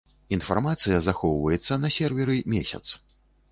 Інфармацыя захоўваецца на серверы месяц.